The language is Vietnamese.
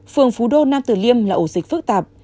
phường phú đô nam tử liêm là ổ dịch phức tạp